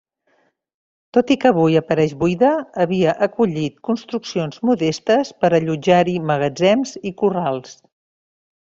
Tot i que avui apareix buida, havia acollit construccions modestes per allotjar-hi magatzems i corrals.